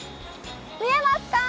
見えますか？